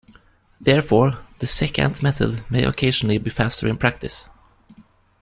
Therefore, the secant method may occasionally be faster in practice.